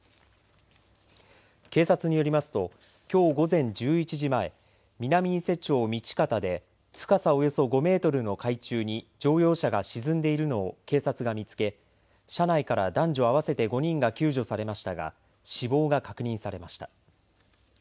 警察によりますときょう午前１１時前南伊勢町道方で深さおよそ５メートルの海中に乗用車が沈んでいるのを警察が見つけ車内から男女合わせて５人が救助されましたが死亡が確認されました。